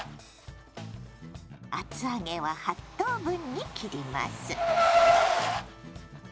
厚揚げは８等分に切ります。